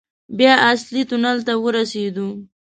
بيا اصلي تونل ته ورسېدو.